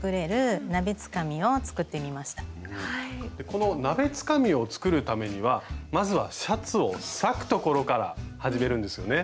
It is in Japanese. この鍋つかみを作るためにはまずはシャツを裂くところから始めるんですよね？